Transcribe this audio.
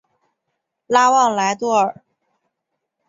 拉旺莱多尔。